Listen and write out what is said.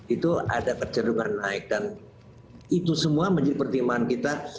itu ada kecerungan naik dan itu semua menjadi pertimbangan kita